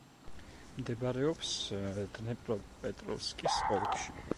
მდებარეობს დნეპროპეტროვსკის ოლქში.